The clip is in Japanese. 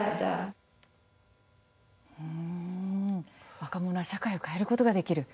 若者は社会を変えることができる。